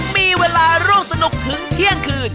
มีเวลาร่วมสนุกถึงเที่ยงคืน